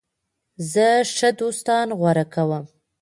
زه ښه دوستان غوره کوم.